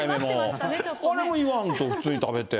あれも言わんと、普通に食べて。